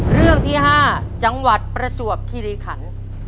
เรื่องที่๕จังหวัดประจวบคิริขัน